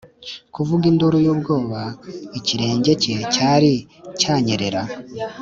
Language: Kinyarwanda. kuvuga induru y'ubwoba ... ikirenge cye cyari cyanyerera